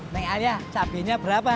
neng ayah cabainya berapa